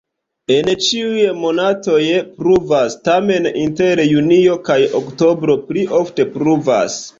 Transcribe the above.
En ĉiuj monatoj pluvas, tamen inter junio kaj oktobro pli ofte pluvas.